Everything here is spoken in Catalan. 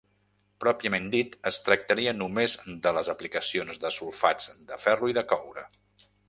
Pròpiament dit es tractaria només de les aplicacions de sulfats de ferro i de coure.